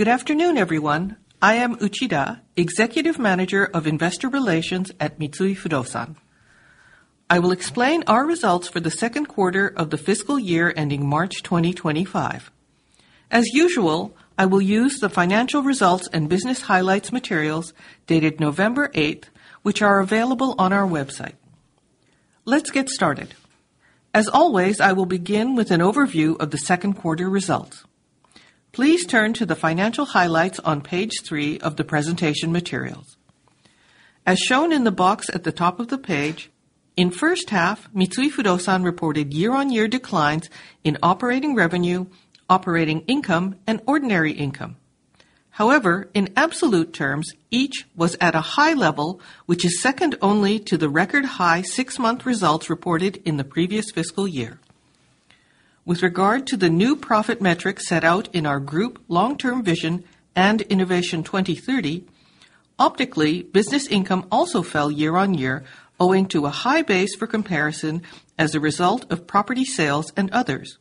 Good afternoon, everyone. I am Uchida, Executive Manager of Investor Relations at Mitsui Fudosan. I will explain our results for the second quarter of the fiscal year ending March 2025. As usual, I will use the financial results and business highlights materials dated 8th November, which are available on our website. Let's get started. As always, I will begin with an overview of the second quarter results. Please turn to the financial highlights on page three of the presentation materials. As shown in the box at the top of the page, in the first half, Mitsui Fudosan reported year-on-year declines in operating revenue, operating income, and ordinary income. However, in absolute terms, each was at a high level, which is second only to the record-high six-month results reported in the previous fiscal year. With regard to the new profit metrics set out in our Group Long-Term Vision & INNOVATION 2030, optically, business income also fell year-on-year, owing to a high base for comparison as a result of property sales and others.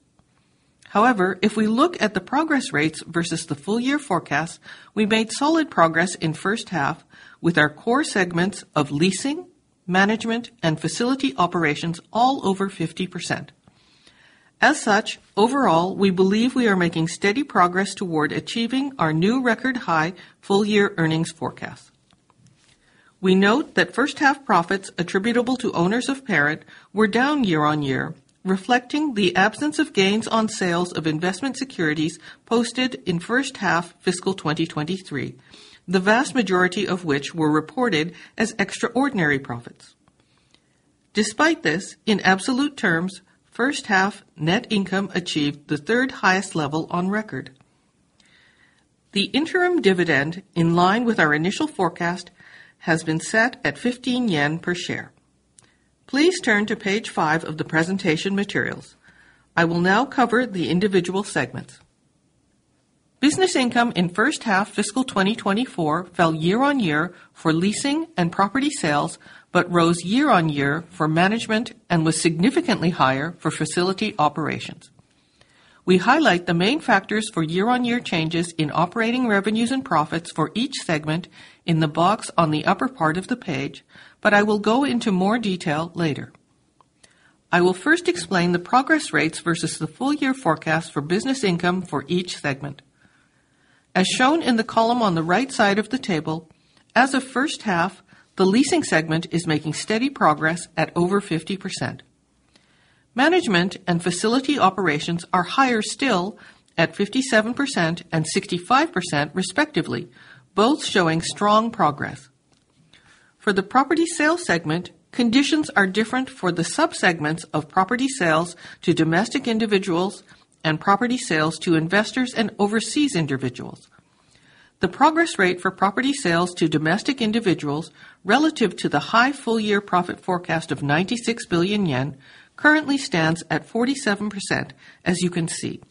However, if we look at the progress rates versus the full-year forecast, we made solid progress in the first half with our core segments of leasing, management, and facility operations all over 50%. As such, overall, we believe we are making steady progress toward achieving our new record-high full-year earnings forecast. We note that first-half profits attributable to owners of parent were down year-on-year, reflecting the absence of gains on sales of investment securities posted in the first half of fiscal 2023, the vast majority of which were reported as extraordinary profits. Despite this, in absolute terms, first-half net income achieved the third-highest level on record. The interim dividend, in line with our initial forecast, has been set at 15 yen per share. Please turn to page five of the presentation materials. I will now cover the individual segments. Business income in the first half of fiscal 2024 fell year-on-year for leasing and property sales but rose year-on-year for management and was significantly higher for facility operations. We highlight the main factors for year-on-year changes in operating revenues and profits for each segment in the box on the upper part of the page, but I will go into more detail later. I will first explain the progress rates versus the full-year forecast for business income for each segment. As shown in the column on the right side of the table, as of the first half, the leasing segment is making steady progress at over 50%. Management and facility operations are higher still at 57% and 65%, respectively, both showing strong progress. For the property sales segment, conditions are different for the subsegments of property sales to domestic individuals and property sales to investors and overseas individuals. The progress rate for property sales to domestic individuals relative to the high full-year profit forecast of 96 billion yen currently stands at 47%, as you can see.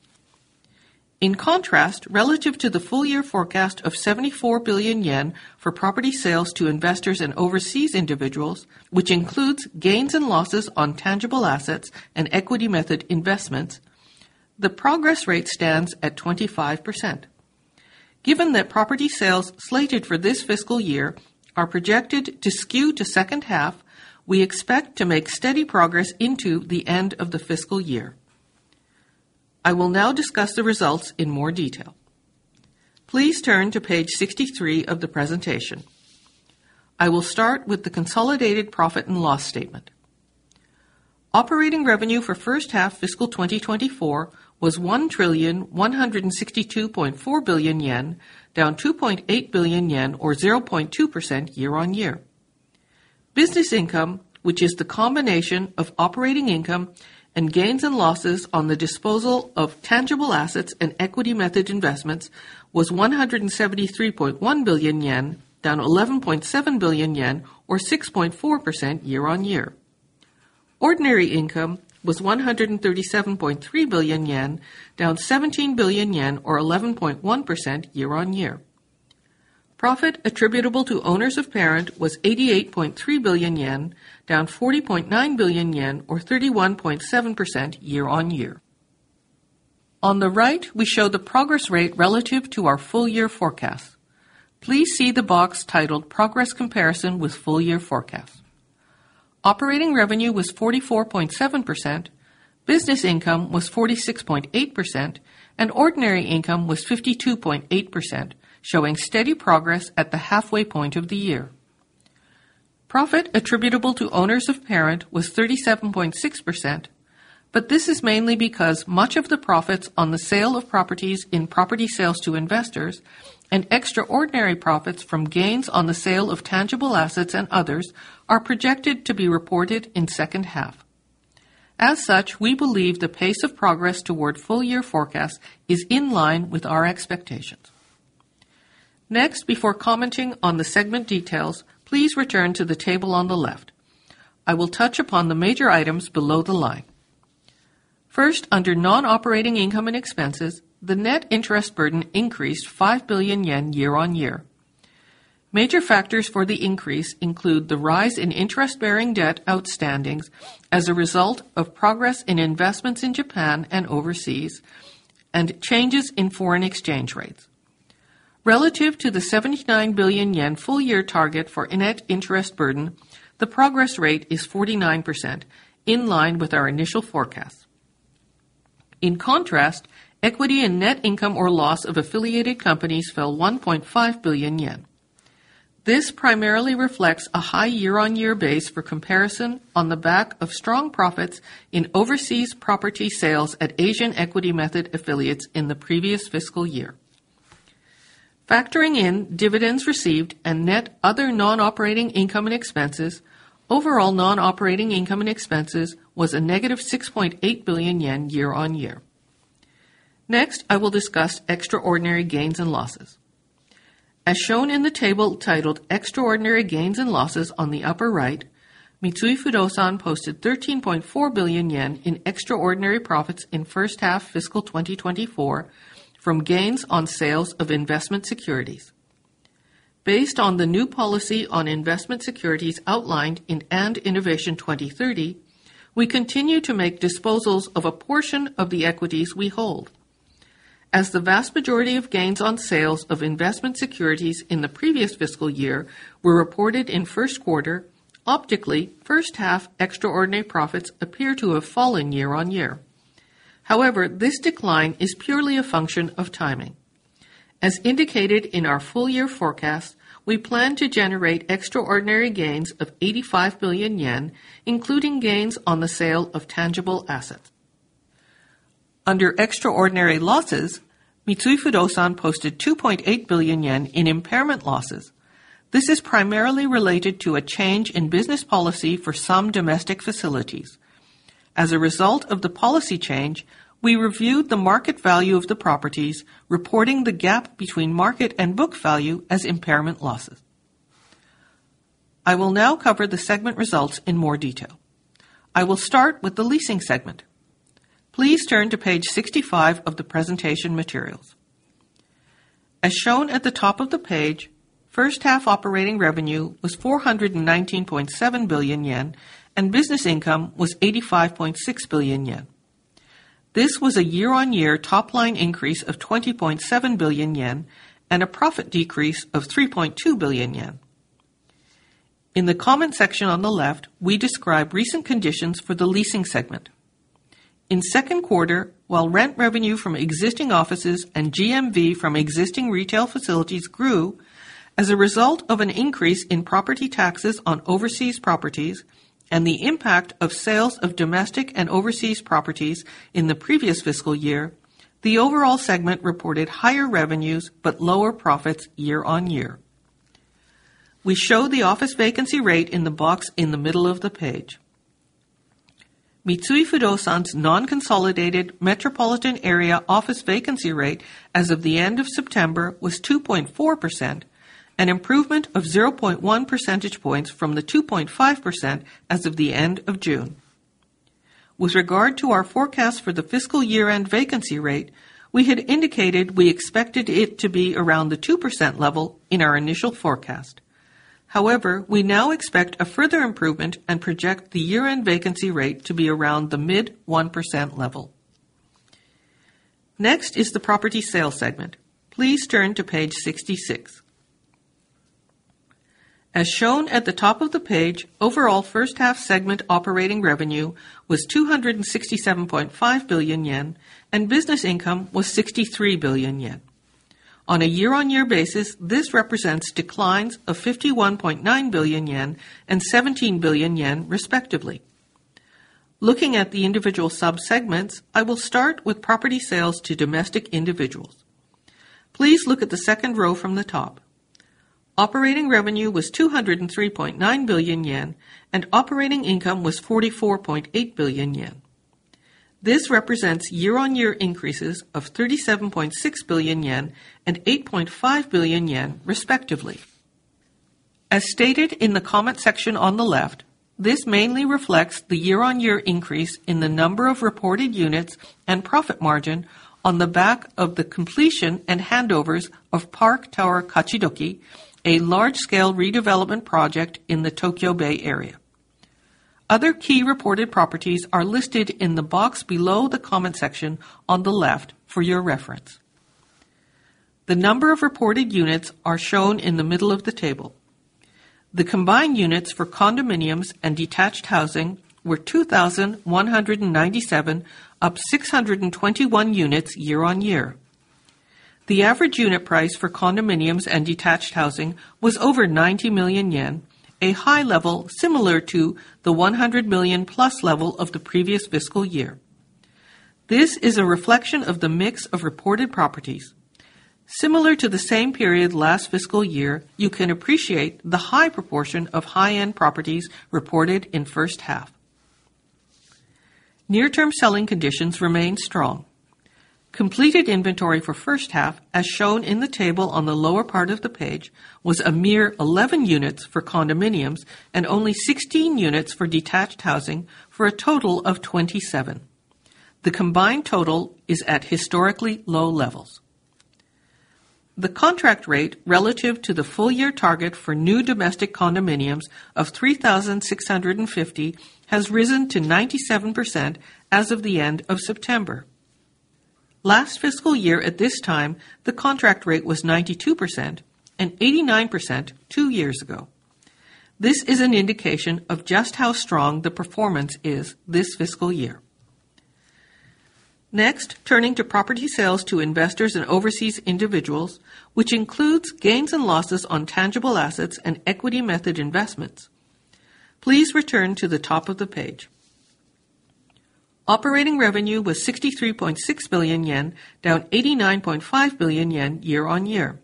In contrast, relative to the full-year forecast of 74 billion yen for property sales to investors and overseas individuals, which includes gains and losses on tangible assets and equity-method investments, the progress rate stands at 25%. Given that property sales slated for this fiscal year are projected to skew to the second half, we expect to make steady progress into the end of the fiscal year. I will now discuss the results in more detail. Please turn to page 63 of the presentation. I will start with the consolidated profit and loss statement. Operating revenue for the first half of fiscal 2024 was 1 trillion 162.4 billion, down 2.8 billion yen or 0.2% year-on-year. Business income, which is the combination of operating income and gains and losses on the disposal of tangible assets and equity-method investments, was 173.1 billion yen, down 11.7 billion yen or 6.4% year-on-year. Ordinary income was 137.3 billion yen, down 17 billion yen or 11.1% year-on-year. Profit attributable to owners of parent was 88.3 billion yen, down 40.9 billion yen or 31.7% year-on-year. On the right, we show the progress rate relative to our full-year forecast. Please see the box titled "Progress Comparison with Full-Year Forecast." Operating revenue was 44.7%, business income was 46.8%, and ordinary income was 52.8%, showing steady progress at the halfway point of the year. Profit attributable to owners of parent was 37.6%, but this is mainly because much of the profits on the sale of properties in property sales to investors and extraordinary profits from gains on the sale of tangible assets and others are projected to be reported in the second half. As such, we believe the pace of progress toward the full-year forecast is in line with our expectations. Next, before commenting on the segment details, please return to the table on the left. I will touch upon the major items below the line. First, under non-operating income and expenses, the net interest burden increased 5 billion yen year-on-year. Major factors for the increase include the rise in interest-bearing debt outstandings as a result of progress in investments in Japan and overseas and changes in foreign exchange rates. Relative to the 79 billion yen full-year target for net interest burden, the progress rate is 49%, in line with our initial forecast. In contrast, equity and net income or loss of affiliated companies fell 1.5 billion yen. This primarily reflects a high year-on-year base for comparison on the back of strong profits in overseas property sales at Asian equity-method affiliates in the previous fiscal year. Factoring in dividends received and net other non-operating income and expenses, overall non-operating income and expenses was a negative 6.8 billion yen year-on-year. Next, I will discuss extraordinary gains and losses. As shown in the table titled "Extraordinary Gains and Losses" on the upper right, Mitsui Fudosan posted 13.4 billion yen in extraordinary profits in the first half of fiscal 2024 from gains on sales of investment securities. Based on the new policy on investment securities outlined in And Innovation 2030, we continue to make disposals of a portion of the equities we hold. As the vast majority of gains on sales of investment securities in the previous fiscal year were reported in the first quarter, optically, first-half extraordinary profits appear to have fallen year-on-year. However, this decline is purely a function of timing. As indicated in our full-year forecast, we plan to generate extraordinary gains of 85 billion yen, including gains on the sale of tangible assets. Under extraordinary losses, Mitsui Fudosan posted 2.8 billion yen in impairment losses. This is primarily related to a change in business policy for some domestic facilities. As a result of the policy change, we reviewed the market value of the properties, reporting the gap between market and book value as impairment losses. I will now cover the segment results in more detail. I will start with the leasing segment. Please turn to page 65 of the presentation materials. As shown at the top of the page, first-half operating revenue was 419.7 billion yen and business income was 85.6 billion yen. This was a year-on-year top-line increase of 20.7 billion yen and a profit decrease of 3.2 billion yen. In the comment section on the left, we describe recent conditions for the leasing segment. In the second quarter, while rent revenue from existing offices and GMV from existing retail facilities grew as a result of an increase in property taxes on overseas properties and the impact of sales of domestic and overseas properties in the previous fiscal year, the overall segment reported higher revenues but lower profits year-on-year. We show the office vacancy rate in the box in the middle of the page. Mitsui Fudosan's non-consolidated metropolitan area office vacancy rate as of the end of September was 2.4%, an improvement of 0.1 percentage points from the 2.5% as of the end of June. With regard to our forecast for the fiscal year-end vacancy rate, we had indicated we expected it to be around the 2% level in our initial forecast. However, we now expect a further improvement and project the year-end vacancy rate to be around the mid-1% level. Next is the property sales segment. Please turn to page 66. As shown at the top of the page, overall first-half segment operating revenue was 267.5 billion yen and business income was 63 billion yen. On a year-on-year basis, this represents declines of 51.9 billion yen and 17 billion yen, respectively. Looking at the individual subsegments, I will start with property sales to domestic individuals. Please look at the second row from the top. Operating revenue was 203.9 billion yen and operating income was 44.8 billion yen. This represents year-on-year increases of 37.6 billion yen and 8.5 billion yen, respectively. As stated in the comment section on the left, this mainly reflects the year-on-year increase in the number of reported units and profit margin on the back of the completion and handovers of Park Tower Kachidoki, a large-scale redevelopment project in the Tokyo Bay area. Other key reported properties are listed in the box below the comment section on the left for your reference. The number of reported units is shown in the middle of the table. The combined units for condominiums and detached housing were 2,197, up 621 units year-on-year. The average unit price for condominiums and detached housing was over 90 million yen, a high level similar to the 100 million+ level of the previous fiscal year. This is a reflection of the mix of reported properties. Similar to the same period last fiscal year, you can appreciate the high proportion of high-end properties reported in the first half. Near-term selling conditions remain strong. Completed inventory for the first half, as shown in the table on the lower part of the page, was a mere 11 units for condominiums and only 16 units for detached housing, for a total of 27. The combined total is at historically low levels. The contract rate relative to the full-year target for new domestic condominiums of 3,650 has risen to 97% as of the end of September. Last fiscal year, at this time, the contract rate was 92% and 89% two years ago. This is an indication of just how strong the performance is this fiscal year. Next, turning to property sales to investors and overseas individuals, which includes gains and losses on tangible assets and equity-method investments. Please return to the top of the page. Operating revenue was 63.6 billion yen, down 89.5 billion yen year-on-year.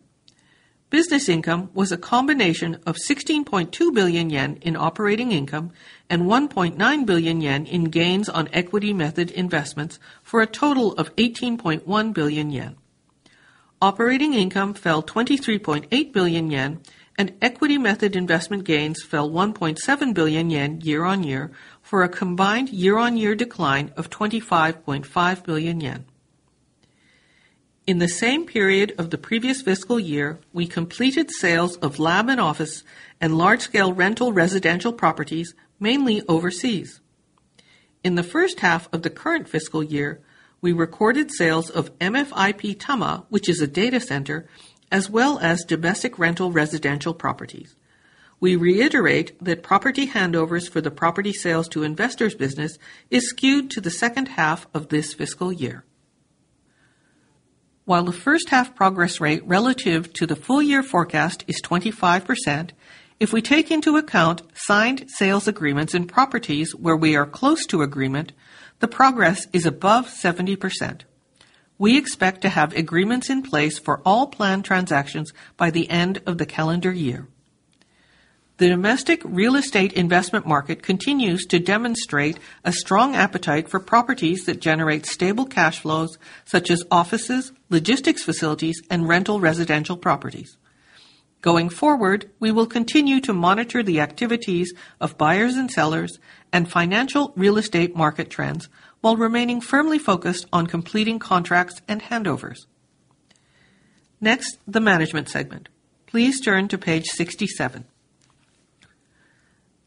Business income was a combination of 16.2 billion yen in operating income and 1.9 billion yen in gains on equity-method investments, for a total of 18.1 billion yen. Operating income fell 23.8 billion yen and equity-method investment gains fell 1.7 billion yen year-on-year, for a combined year-on-year decline of 25.5 billion yen. In the same period of the previous fiscal year, we completed sales of lab and office and large-scale rental residential properties, mainly overseas. In the first half of the current fiscal year, we recorded sales of MFIP Tama, which is a data center, as well as domestic rental residential properties. We reiterate that property handovers for the property sales to investors business is skewed to the second half of this fiscal year. While the first-half progress rate relative to the full-year forecast is 25%, if we take into account signed sales agreements in properties where we are close to agreement, the progress is above 70%. We expect to have agreements in place for all planned transactions by the end of the calendar year. The domestic real estate investment market continues to demonstrate a strong appetite for properties that generate stable cash flows, such as offices, logistics facilities, and rental residential properties. Going forward, we will continue to monitor the activities of buyers and sellers and financial real estate market trends while remaining firmly focused on completing contracts and handovers. Next, the management segment. Please turn to page 67.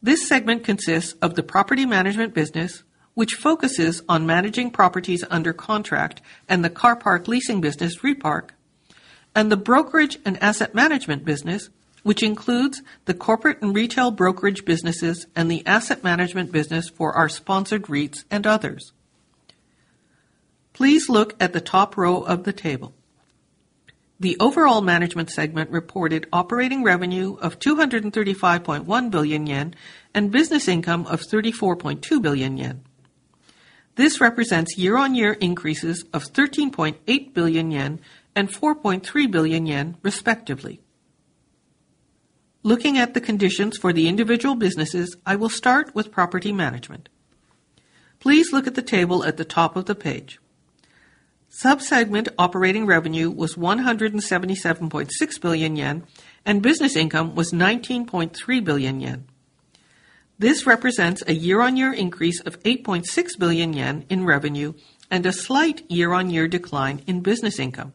This segment consists of the property management business, which focuses on managing properties under contract and the car park leasing business, Repark and the brokerage and asset management business, which includes the corporate and retail brokerage businesses and the asset management business for our sponsored REITs and others. Please look at the top row of the table. The overall management segment reported operating revenue of 235.1 billion yen and business income of 34.2 billion yen. This represents year-on-year increases of 13.8 billion yen and 4.3 billion yen, respectively. Looking at the conditions for the individual businesses, I will start with property management. Please look at the table at the top of the page. Subsegment operating revenue was 177.6 billion yen and business income was 19.3 billion yen. This represents a year-on-year increase of 8.6 billion yen in revenue and a slight year-on-year decline in business income.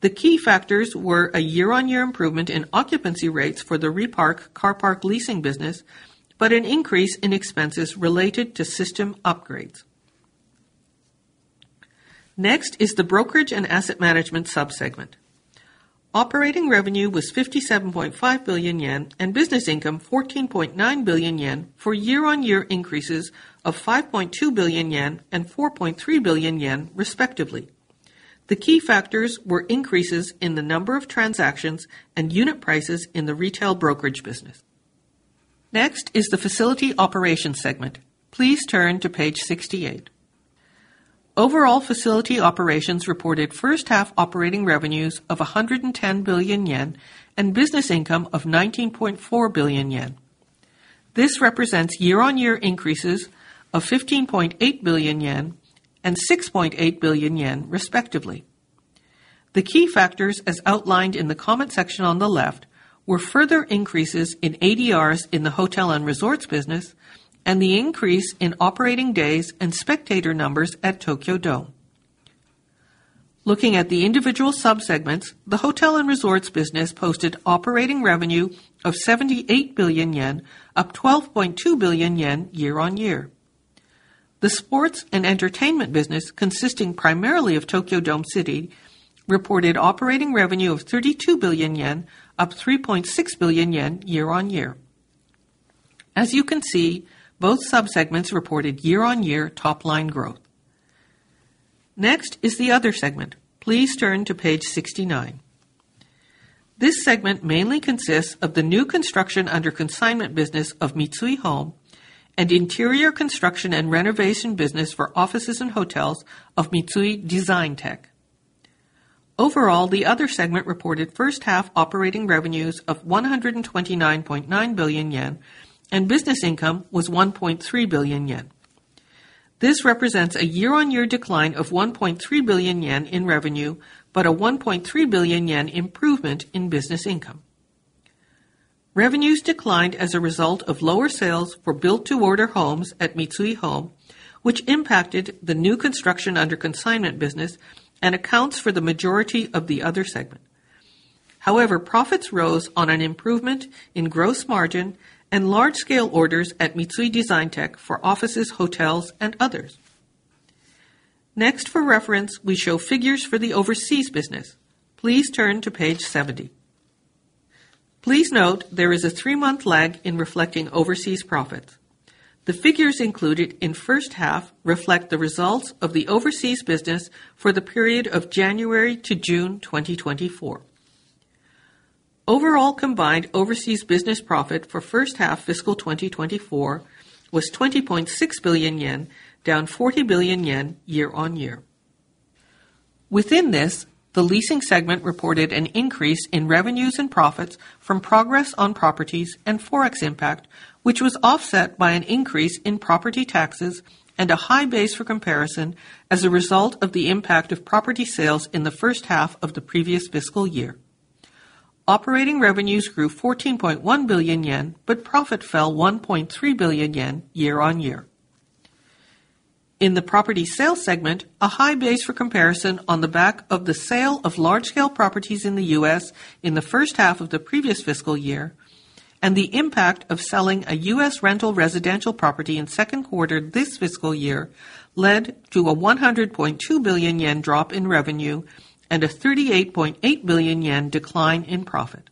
The key factors were a year-on-year improvement in occupancy rates for the Repark car park leasing business, but an increase in expenses related to system upgrades. Next is the brokerage and asset management subsegment. Operating revenue was 57.5 billion yen and business income 14.9 billion yen for year-on-year increases of 5.2 billion yen and 4.3 billion yen, respectively. The key factors were increases in the number of transactions and unit prices in the retail brokerage business. Next is the facility operations segment. Please turn to page 68. Overall facility operations reported first-half operating revenues of 110 billion yen and business income of 19.4 billion yen. This represents year-on-year increases of 15.8 billion yen and 6.8 billion yen, respectively. The key factors, as outlined in the comment section on the left, were further increases in ADRs in the hotel and resorts business and the increase in operating days and spectator numbers at Tokyo Dome. Looking at the individual subsegments, the hotel and resorts business posted operating revenue of 78 billion yen, up 12.2 billion yen year-on-year. The sports and entertainment business, consisting primarily of Tokyo Dome City, reported operating revenue of 32 billion yen, up 3.6 billion yen year-on-year. As you can see, both subsegments reported year-on-year top-line growth. Next is the other segment. Please turn to page 69. This segment mainly consists of the new construction under consignment business of Mitsui Home and interior construction and renovation business for offices and hotels of Mitsui Designtec. Overall, the other segment reported first-half operating revenues of 129.9 billion yen and Business Income was 1.3 billion yen. This represents a year-over-year decline of 1.3 billion yen in revenue, but a 1.3 billion yen improvement in Business Income. Revenues declined as a result of lower sales for built-to-order homes at Mitsui Home, which impacted the new construction under consignment business and accounts for the majority of the other segment. However, profits rose on an improvement in gross margin and large-scale orders at Mitsui Designtec for offices, hotels, and others. Next, for reference, we show figures for the overseas business. Please turn to page 70. Please note there is a three-month lag in reflecting overseas profits. The figures included in the first half reflect the results of the overseas business for the period of January to June 2024. Overall combined overseas business profit for the first half of fiscal 2024 was 20.6 billion yen, down 40 billion yen year-on-year. Within this, the leasing segment reported an increase in revenues and profits from progress on properties and forex impact, which was offset by an increase in property taxes and a high base for comparison as a result of the impact of property sales in the first half of the previous fiscal year. Operating revenues grew 14.1 billion yen, but profit fell 1.3 billion yen year-on-year. In the property sales segment, a high base for comparison on the back of the sale of large-scale properties in the U.S. in the first half of the previous fiscal year and the impact of selling a U.S. Rental residential property in the second quarter this fiscal year led to a 100.2 billion yen drop in revenue and a 38.8 billion yen decline in profit.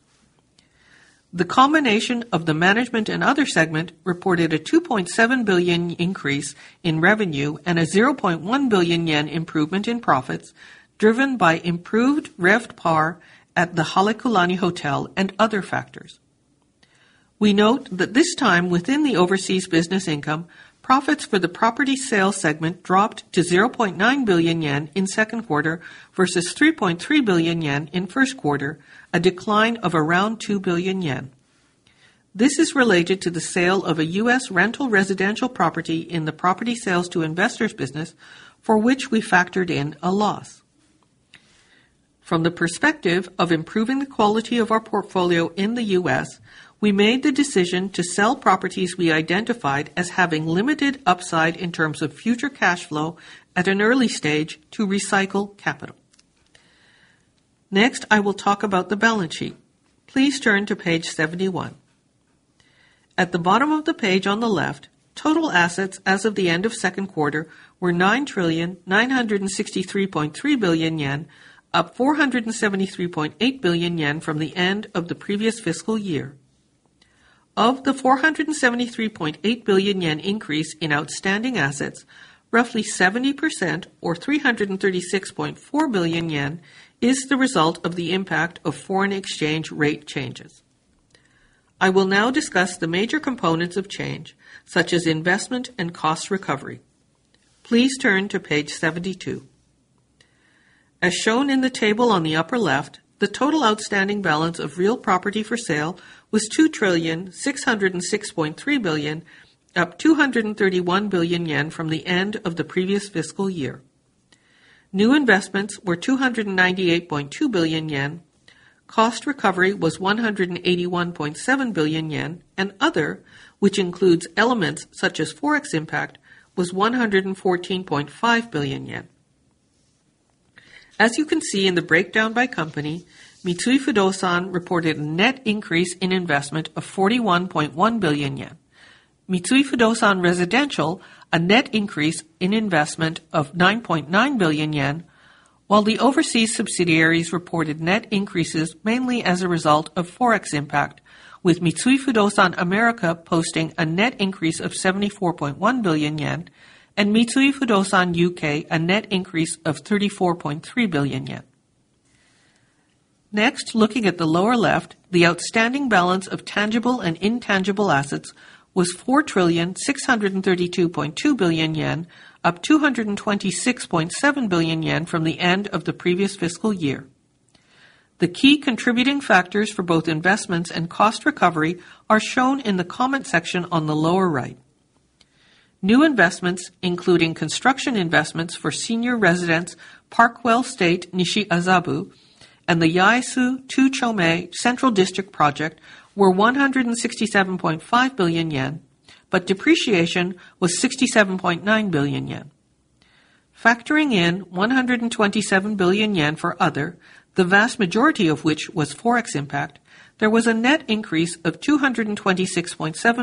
The combination of the management and other segment reported a 2.7 billion increase in revenue and a 0.1 billion yen improvement in profits, driven by improved RevPAR at the Halekulani Hotel and other factors. We note that this time, within the overseas business income, profits for the property sales segment dropped to 0.9 billion yen in the second quarter versus 3.3 billion yen in the first quarter, a decline of around 2 billion yen. This is related to the sale of a U.S. rental residential property in the property sales to investors business, for which we factored in a loss. From the perspective of improving the quality of our portfolio in the U.S., we made the decision to sell properties we identified as having limited upside in terms of future cash flow at an early stage to recycle capital. Next, I will talk about the balance sheet. Please turn to page 71. At the bottom of the page on the left, total assets as of the end of the second quarter were 9,963.3 billion yen, up 473.8 billion yen from the end of the previous fiscal year. Of the 473.8 billion yen increase in outstanding assets, roughly 70% or 336.4 billion yen is the result of the impact of foreign exchange rate changes. I will now discuss the major components of change, such as investment and cost recovery. Please turn to page 72. As shown in the table on the upper left, the total outstanding balance of real property for sale was 2,606.3 billion, up 231 billion yen from the end of the previous fiscal year. New investments were 298.2 billion yen, cost recovery was 181.7 billion yen, and other, which includes elements such as forex impact, was 114.5 billion yen. As you can see in the breakdown by company, Mitsui Fudosan reported a net increase in investment of 41.1 billion yen. Mitsui Fudosan Residential, a net increase in investment of 9.9 billion yen, while the overseas subsidiaries reported net increases mainly as a result of forex impact, with Mitsui Fudosan America posting a net increase of 74.1 billion yen and Mitsui Fudosan (U.K.), a net increase of 34.3 billion yen. Next, looking at the lower left, the outstanding balance of tangible and intangible assets was 4,632.2 billion yen, up 226.7 billion yen from the end of the previous fiscal year. The key contributing factors for both investments and cost recovery are shown in the comment section on the lower right. New investments, including construction investments for senior residence Park WellState Nishiazabu and the Yaesu 2-Chome Central District project, were 167.5 billion yen, but depreciation was 67.9 billion yen. Factoring in 127 billion yen for other, the vast majority of which was forex impact, there was a net increase of 226.7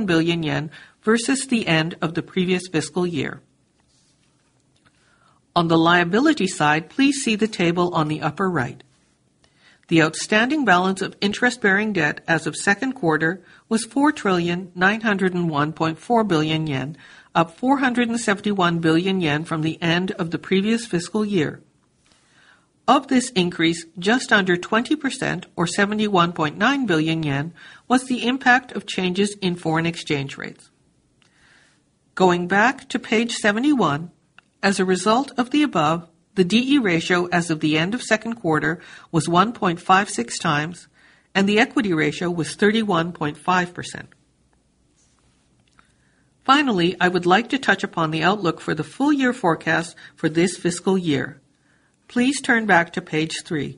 billion yen versus the end of the previous fiscal year. On the liability side, please see the table on the upper right. The outstanding balance of interest-bearing debt as of the second quarter was 4,901.4 billion yen, up 471 billion yen from the end of the previous fiscal year. Of this increase, just under 20% or 71.9 billion yen was the impact of changes in foreign exchange rates. Going back to page 71, as a result of the above, the D/E ratio as of the end of the second quarter was 1.56 times, and the equity ratio was 31.5%. Finally, I would like to touch upon the outlook for the full-year forecast for this fiscal year. Please turn back to page three.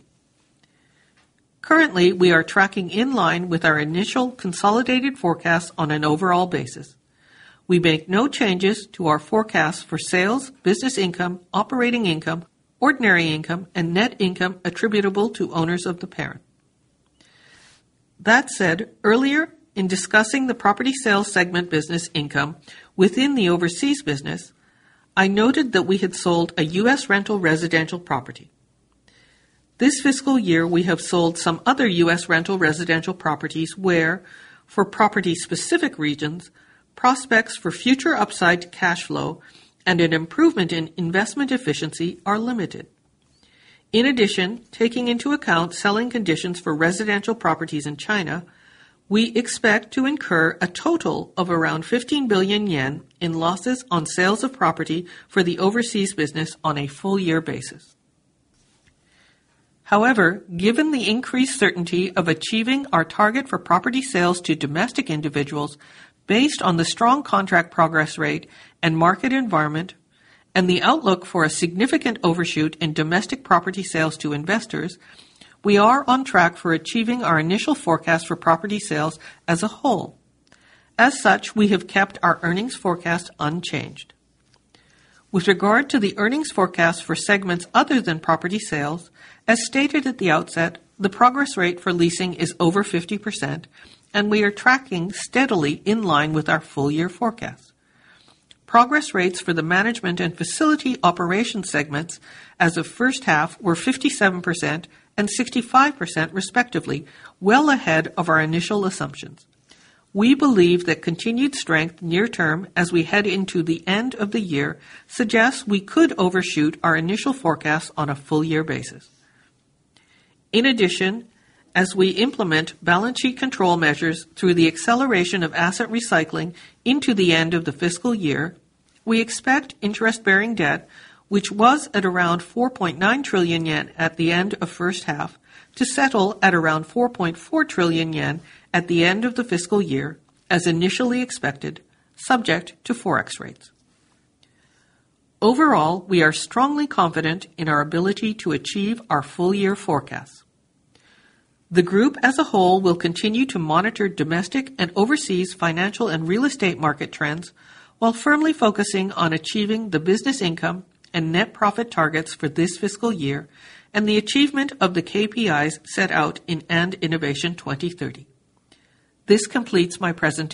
Currently, we are tracking in line with our initial consolidated forecasts on an overall basis. We make no changes to our forecasts for sales, business income, operating income, ordinary income, and net income attributable to owners of the parent. That said, earlier in discussing the property sales segment business income within the overseas business, I noted that we had sold a U.S. rental residential property. This fiscal year, we have sold some other U.S. Rental residential properties where, for property-specific regions, prospects for future upside cash flow and an improvement in investment efficiency are limited. In addition, taking into account selling conditions for residential properties in China, we expect to incur a total of around 15 billion yen in losses on sales of property for the overseas business on a full-year basis. However, given the increased certainty of achieving our target for property sales to domestic individuals based on the strong contract progress rate and market environment and the outlook for a significant overshoot in domestic property sales to investors, we are on track for achieving our initial forecast for property sales as a whole. As such, we have kept our earnings forecast unchanged. With regard to the earnings forecast for segments other than property sales, as stated at the outset, the progress rate for leasing is over 50%, and we are tracking steadily in line with our full-year forecast. Progress rates for the management and facility operations segments as of the first half were 57% and 65%, respectively, well ahead of our initial assumptions. We believe that continued strength near-term as we head into the end of the year suggests we could overshoot our initial forecasts on a full-year basis. In addition, as we implement balance sheet control measures through the acceleration of asset recycling into the end of the fiscal year, we expect interest-bearing debt, which was at around 4.9 trillion yen at the end of the first half, to settle at around 4.4 trillion yen at the end of the fiscal year, as initially expected, subject to forex rates. Overall, we are strongly confident in our ability to achieve our full-year forecasts. The group as a whole will continue to monitor domestic and overseas financial and real estate market trends while firmly focusing on achieving the business income and net profit targets for this fiscal year and the achievement of the KPIs set out in And Innovation 2030. This completes my presentation.